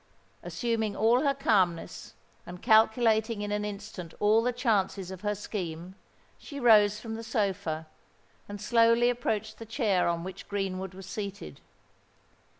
Assuming all her calmness, and calculating in an instant all the chances of her scheme, she rose from the sofa, and slowly approached the chair on which Greenwood was seated.